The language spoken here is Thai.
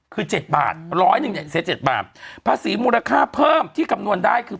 คือ๗บาทร้อยหนึ่งเนี่ยเสีย๗บาทภาษีมูลค่าเพิ่มที่คำนวณได้คือ